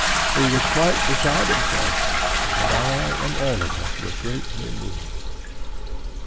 PHAEDO: He was quite beside himself; and I and all of us were greatly moved.